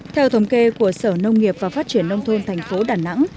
theo thống kê của sở nông nghiệp và phát triển nông thôn tp đà nẵng